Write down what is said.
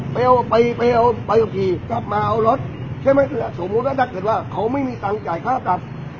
ไปเอาไปเอาไปกลับมาเอารถใช่ไหมสมมุติว่านักศึกษ์ว่าเค้าไม่มีตังค์จ่ายภาพกับ